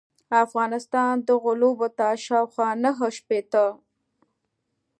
افغانستان دغو لوبو ته شاوخوا نهه شپیته ل